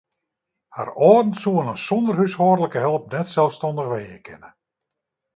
Har âlden soene sonder húshâldlike help net selsstannich wenje kinne.